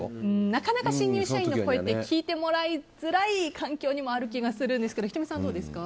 なかなか新入社員の声って聞いてもらいづらい環境にある気がするんですけど仁美さんはどうですか？